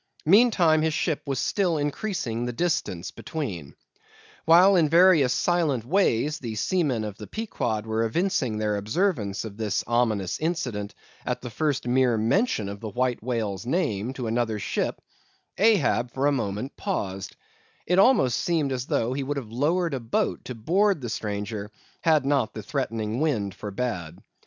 Meantime his ship was still increasing the distance between. While in various silent ways the seamen of the Pequod were evincing their observance of this ominous incident at the first mere mention of the White Whale's name to another ship, Ahab for a moment paused; it almost seemed as though he would have lowered a boat to board the stranger, had not the threatening wind forbade.